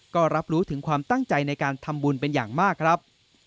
ก็รับรู้ถึงความตั้งใจในการทำบุญเป็นอย่างมากครับ